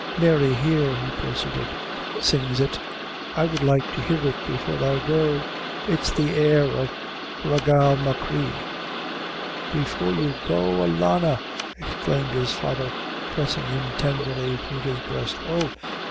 "Mary, here," he proceeded, "sings it; I would like to hear it before I go; it's the air of Gra Gal Machree." "Before you go, alanna!" exclaimed his father, pressing him tenderly to his breast. "Oh!